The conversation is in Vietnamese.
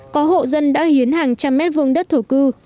có hộ dân đã hiến hàng trăm mét vương đất thổ cư